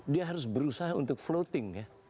dia harus berusaha untuk floating ya